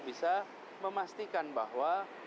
bisa memastikan bahwa